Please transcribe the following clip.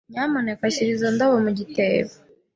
Nyamuneka shyira izo ndabyo mu gitebo.